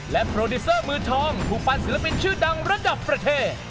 โปรดิวเซอร์มือทองผู้ฟันศิลปินชื่อดังระดับประเทศ